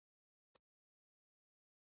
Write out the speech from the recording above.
زما ورسره ملګرۍ تر جنازې اته یا نهه کلونه وه.